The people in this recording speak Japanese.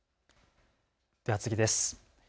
では次です。